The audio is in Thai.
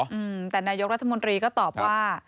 อืมแต่นายกรัฐมนตรีก็ตอบว่า